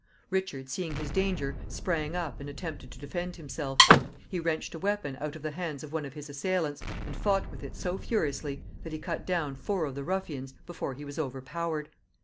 Richard, seeing his danger, sprang up, and attempted to defend himself. He wrenched a weapon out of the hands of one of his assailants, and fought with it so furiously that he cut down four of the ruffians before he was overpowered.